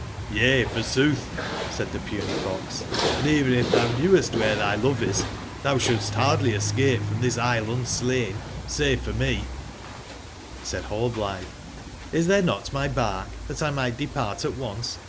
"j?'' yea, f orsootb/' said tbe puny fox, *'and even if tbou knewest wbere tby love is, tbou sbouldst bardly escape from tbis isle unslain, save for me/'jj^Saicl Rallblitbe: Xs tbere not my bark, tbat 1 migbt depart at once